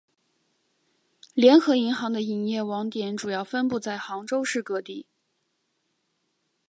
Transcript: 联合银行的营业网点主要分布在杭州市各地。